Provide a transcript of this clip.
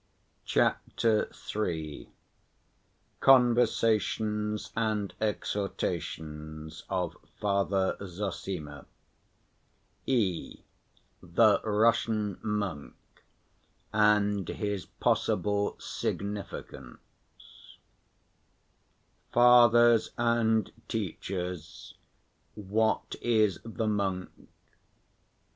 Chapter III. Conversations And Exhortations Of Father Zossima (e) The Russian Monk and his possible Significance Fathers and teachers, what is the monk?